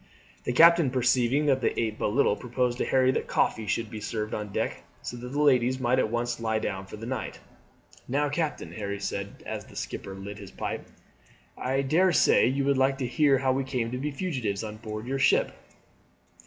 The captain perceiving that they ate but little proposed to Harry that coffee should be served on deck, so that the ladies might at once lie down for the night. "Now, captain," Harry said as the skipper lit his pipe, "I daresay you would like to hear how we came to be fugitives on board your ship."